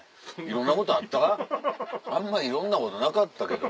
あんまいろんなことなかったけど。